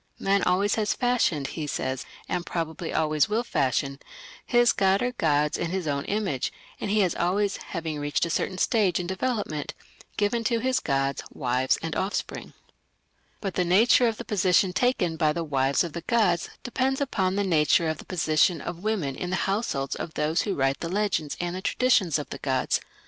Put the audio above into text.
"Man always has fashioned", he says, "and probably always will fashion, his god or gods in his own image, and he has always, having reached a certain stage in development, given to his gods wives and offspring; but the nature of the position taken by the wives of the gods depends upon the nature of the position of women in the households of those who write the legends and the traditions of the gods.